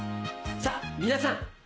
さぁ皆さん。